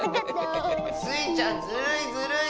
スイちゃんずるいずるい！